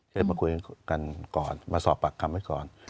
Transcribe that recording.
ให้มาคุยกันก่อนมาสอบปากคำไว้ก่อน